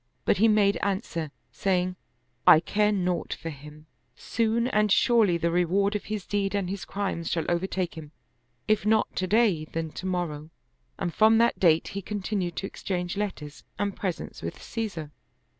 But he made answer, saying, " I care naught for him : soon and surely the reward of his deed and his crimes shall overtake him, if not to day, then to morrow." And from that date he continued to exchange letters and presents with Caesar.